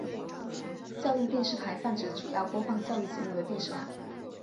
教育电视台泛指主要播放教育节目的电视台。